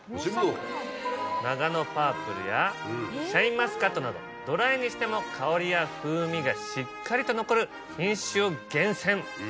ナガノパープルやシャインマスカットなどドライにしても香りや風味がしっかりと残る品種を厳選。